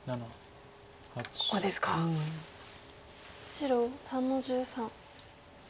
白３の十三。